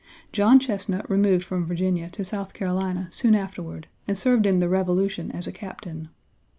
John Chesnut removed from Virginia to South Carolina soon afterward and served in the Revolution as a captain.